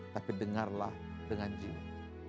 tapi dengarlah dengan jiwa